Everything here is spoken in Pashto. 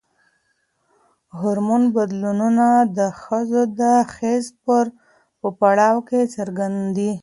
هورمون بدلونونه د ښځو د حیض په پړاو کې څرګند دي.